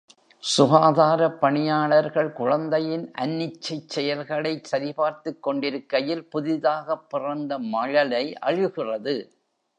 சுகாதாரப் பணியாளர்கள் குழந்தையின் அனிச்சைச்செயல்களைச் சரிபார்த்துக் கொண்டிருக்கையில் புதிதாகப் பிறந்த மழலை அழுகிறது.